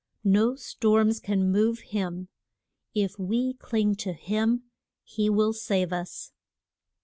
No storms can move him. If we cling to him he will save us.